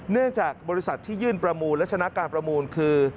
เนื่องจากบริษัทที่ยื่นประมูลและชนะการประมูลคือ